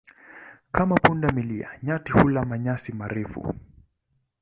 Kama punda milia, nyati hula manyasi marefu.